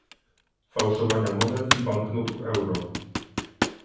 fałszowania monet i banknotów euro